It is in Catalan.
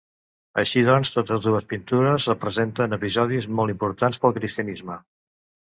Així doncs totes dues pintures representen episodis molt importants pel cristianisme.